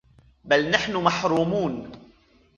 بل نحن محرومون